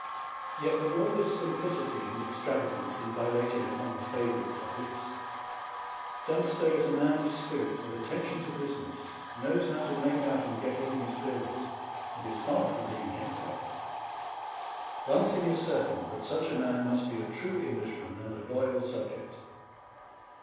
Yet with all this simplicity and extravagance in dilating upon his favourite topics, Dunster is a man of spirit, of attention to business, knows how to make out and get in his bills, and is far from being henpecked. One thing is certain, that such a man must be a true Englishman and a loyal subject.